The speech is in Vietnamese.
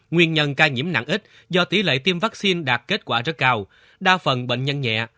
nguyên nhân ca nhiễm nặng ít do tỷ lệ tiêm vaccine đạt kết quả rất cao đa phần bệnh nhân nhẹ